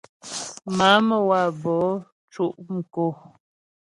Má'a Məwabo cʉ' mkǒ.